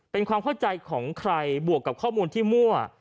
เป็นความเข้าใจของใครบวกกับข้อมูลที่มั่ว